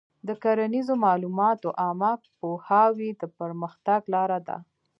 د کرنیزو معلوماتو عامه پوهاوی د پرمختګ لاره ده.